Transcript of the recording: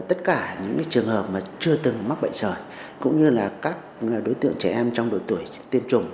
tất cả những trường hợp mà chưa từng mắc bệnh sởi cũng như là các đối tượng trẻ em trong độ tuổi tiêm chủng